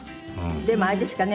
でもあれですかね。